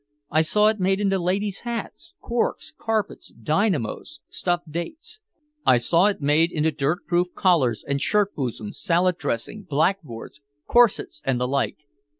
I saw it made into ladles' hats, corks, carpets, dynamos, stuffed dates. I saw it made into dirt proof collars and shirt bosoms, salad dressing, blackboards, corsets and the like.